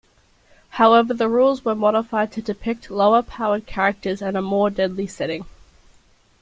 However the rules were modified to depict lower-powered characters and a more deadly setting.